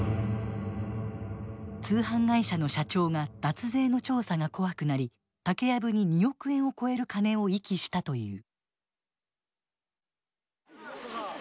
通販会社の社長が脱税の調査が怖くなり竹やぶに２億円を超える金を遺棄したという。